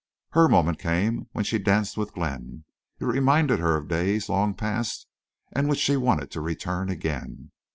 Her moment came when she danced with Glenn. It reminded her of days long past and which she wanted to return again.